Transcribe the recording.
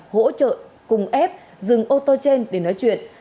hỗ trợ cùng ép dừng ô tô trên để nói chuyện